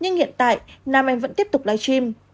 nhưng hiện tại nam anh vẫn tiếp tục live stream